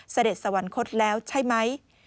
เสด็จสวรรคตแล้วใช่ไหม